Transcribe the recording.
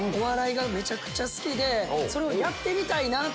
それをやってみたいな！